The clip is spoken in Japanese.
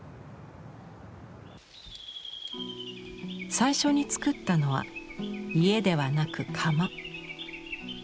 最初につくったのは家ではなく窯。